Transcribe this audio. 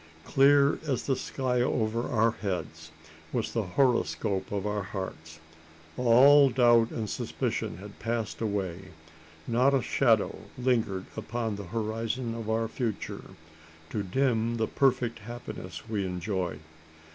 Clear as the sky over our heads was the horoscope of our hearts; all doubt and suspicion had passed away; not a shadow lingered upon the horizon of our future, to dim the perfect happiness we enjoyed.